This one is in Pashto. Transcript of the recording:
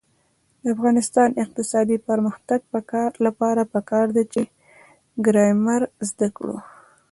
د افغانستان د اقتصادي پرمختګ لپاره پکار ده چې ګرامر زده کړو.